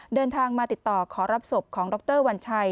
เดินทางมาติดต่อขอรับศพของดรวัญชัย